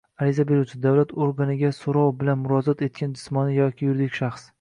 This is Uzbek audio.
ariza beruvchi — davlat organiga so‘rov bilan murojaat etgan jismoniy yoki yuridik shaxs;